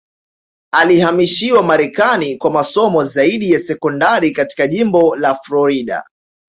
Alihamishiwa Marekani kwa masomo zaidi ya sekondari katika jimbo la Florida